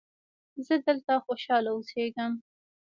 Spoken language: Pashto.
زه دلته خوشحاله اوسیږم.